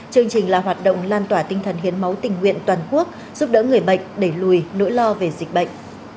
chương trình là hoạt động lan tỏa tinh thần hiến máu tình nguyện toàn quốc giúp đỡ người bệnh đẩy lùi nỗi lo về dịch bệnh